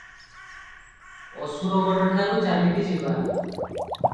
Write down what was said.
ଅସୁରଗଡଠାରୁ ଚାଲିକି ଯିବା ।